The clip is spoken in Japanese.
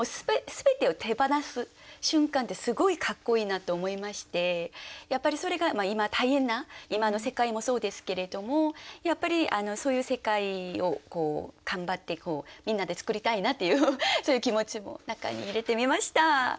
全てを手放す瞬間ってすごいかっこいいなと思いましてやっぱりそれが今大変な今の世界もそうですけれどもやっぱりそういう世界を頑張ってみんなで作りたいなっていうそういう気持ちも中に入れてみました。